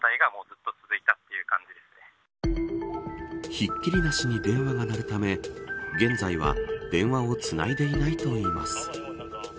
ひっきりなしに電話が鳴るため現在は電話をつないでいないといいます。